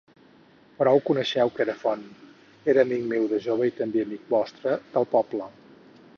Prou coneixeu Querefont: era amic meu de jove i també amic vostre, del poble;